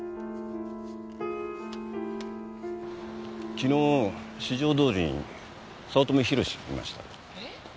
昨日四条通に早乙女宏志いました。え？